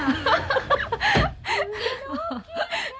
アハハハハ。